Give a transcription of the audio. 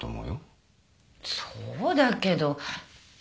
そうだけど。